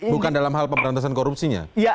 bukan dalam hal pemberantasan korupsinya